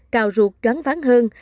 cao ruột choán ván hơn